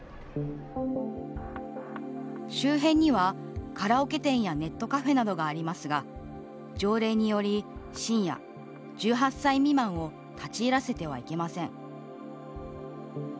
周辺にはカラオケ店やネットカフェなどがありますが条例により、深夜１８歳未満を立ち入らせてはいけません。